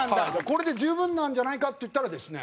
これで十分なんじゃないかって言ったらですね